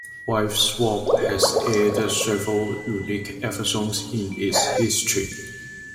"Wife Swap" has aired several unique episodes in its history.